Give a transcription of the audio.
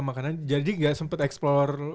makanan jadi gak sempet eksplore